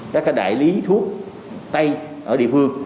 các đại lý thuốc tây ở địa phương